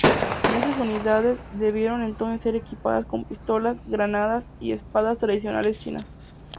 Muchas unidades debieron entonces ser equipadas con pistolas, granadas y espadas tradicionales chinas.